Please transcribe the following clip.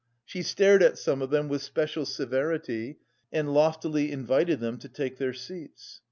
She stared at some of them with special severity, and loftily invited them to take their seats.